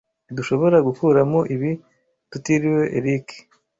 Ntidushobora gukuramo ibi tutiriwe Eric.